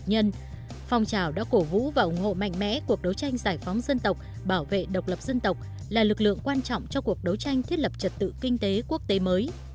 nhân phong trào đã cổ vũ và ủng hộ mạnh mẽ cuộc đấu tranh giải phóng dân tộc bảo vệ độc lập dân tộc là lực lượng quan trọng cho cuộc đấu tranh thiết lập trật tự kinh tế quốc tế mới